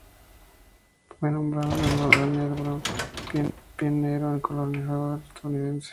Fue nombrado en honor a Daniel Boone, un pionero y colonizador estadounidense.